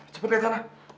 cepet ke sana